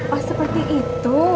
oh seperti itu